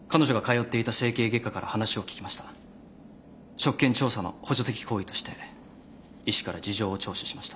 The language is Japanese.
職権調査の補助的行為として医師から事情を聴取しました。